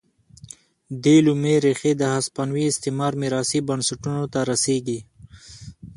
دې لومې ریښې د هسپانوي استعمار میراثي بنسټونو ته رسېږي.